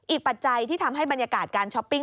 ปัจจัยที่ทำให้บรรยากาศการช้อปปิ้ง